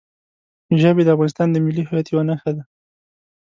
ژبې د افغانستان د ملي هویت یوه نښه ده.